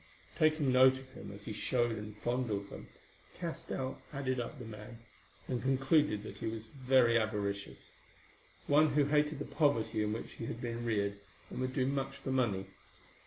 Taking note of him as he showed and fondled them, Castell added up the man, and concluded that he was very avaricious; one who hated the poverty in which he had been reared, and would do much for money.